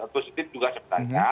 positif juga sebenarnya